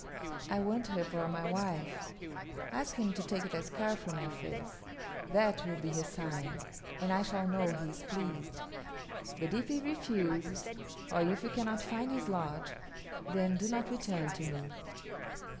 I want her for my wife.' Ask him to take that scar from your face; that will be his sign, and I shall know he is pleased. But if he refuses, or if you cannot find his lodge, then do not return to me."